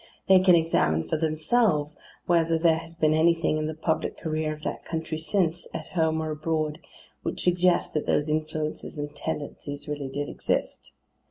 They can examine for themselves whether there has been anything in the public career of that country since, at home or abroad, which suggests that those influences and tendencies really did exist.